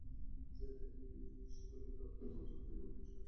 তিনি শিবলিঙ্গাপ্পাকে দত্তক নেন এবং কিট্টুর রাজ্যের উত্তরাধিকারী ঘোষণা করেন।